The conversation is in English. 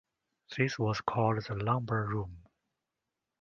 This was called the lumber room.